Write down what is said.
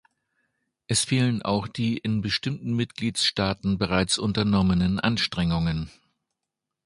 Es fehlen auch die in bestimmten Mitgliedstaaten bereits unternommenen Anstrengungen.